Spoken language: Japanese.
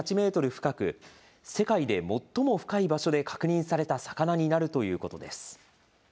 深く世界で最も深い場所で確認された魚になるということです。